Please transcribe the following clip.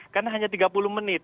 karena hanya tiga puluh menit